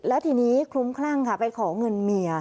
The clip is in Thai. แล้วทีนี้คลุ้มคลั่งค่ะไปขอเงินเมีย